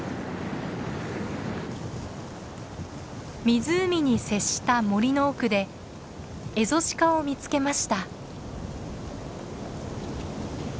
湖に接した森の奥でエゾシカを見つけました。